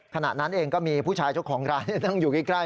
ขณะนั้นเองก็มีผู้ชายเจ้าของร้านนั่งอยู่ใกล้